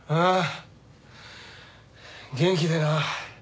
元気でな。